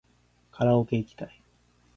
カラオケいきたい